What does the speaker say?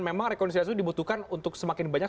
dan rekonsiliasi dibutuhkan untuk semakin banyak